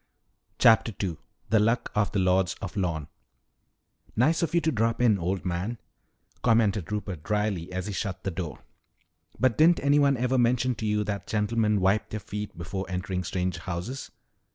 CHAPTER II THE LUCK OF THE LORDS OF LORNE "Nice of you to drop in, old man," commented Rupert dryly as he shut the door. "But didn't anyone ever mention to you that gentlemen wipe their feet before entering strange houses?"